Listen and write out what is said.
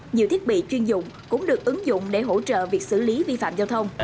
nhiều thiết bị chuyên dụng cũng được ứng dụng để hỗ trợ việc xử lý vi phạm giao thông